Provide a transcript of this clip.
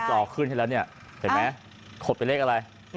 เห็นไหมขดเป็นเลขอะไร